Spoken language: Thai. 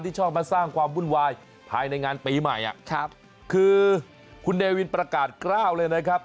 ชอบมาสร้างความวุ่นวายภายในงานปีใหม่อ่ะครับคือคุณเนวินประกาศกล้าวเลยนะครับ